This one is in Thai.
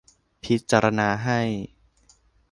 พิจารณาให้